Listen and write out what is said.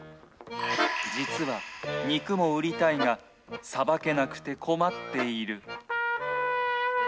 実は肉も売りたいが、さばけなくて困っている。